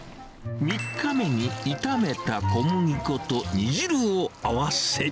３日目に炒めた小麦粉と煮汁を合わせ。